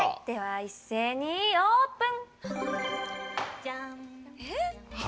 一斉にオープン！